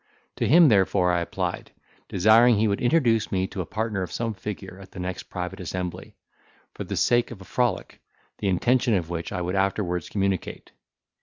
To him therefore I applied, desiring he would introduce me to a partner of some figure, at the next private assembly, for the sake of a frolic, the intention of which I would afterwards communicate.